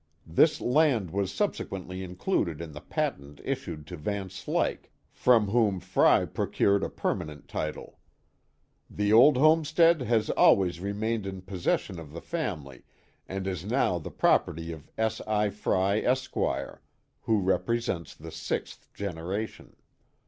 This land was subsequently included in the patent issued to Van Slyck, from whom Frey procured a ])ermanent title. The old homestead has always remained in possession of the family and is now the property of S. L. Frey, Esq., who represents the sixth generation.